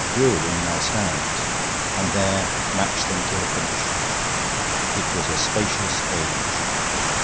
brewery now stands), and there match them to a finish. It was a spacious age.